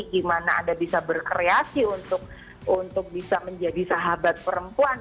gimana anda bisa berkreasi untuk bisa menjadi sahabat perempuan